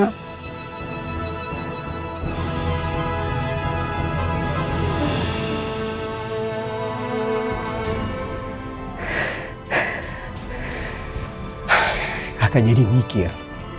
kakak jadi mikir